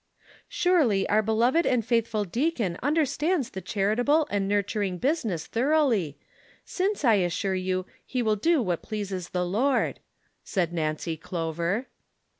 " Surely, our beloved and faithful deacon understands tlie charitable and nurturing business thoroughly, hence, I assure you, he will do what pleases the Lord," said Nancy Clover.